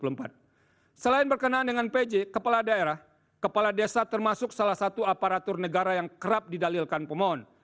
mereka bisa menjagal pandangan maaf cdan mindsarnelis yang sedang selesai mengalami sauce pellicle have elm